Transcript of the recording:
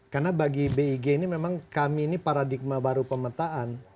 karena bagi big ini memang kami ini paradigma baru pemetaan